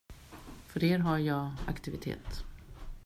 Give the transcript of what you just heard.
För er har jag aktivitet.